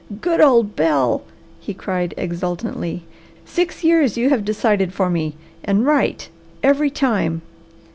"Good old Bel!" he cried exultantly. "Six years you have decided for me, and right every time!